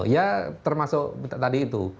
ya termasuk tadi itu